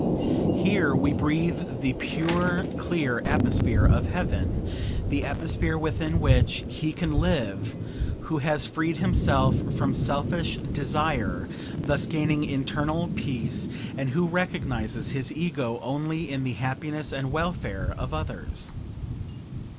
Here we breathe the pure, clear atmosphere of heaven, the atmosphere within which he can live who has freed himself from selfish desire, thus gaining internal peace, and who recognizes his ego only in the happiness and welfare of others.